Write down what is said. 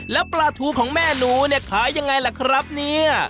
แล้วปลาทูของแม่หนูเนี่ยขายยังไงล่ะครับเนี่ย